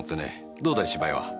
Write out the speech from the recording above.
どうだい芝居は？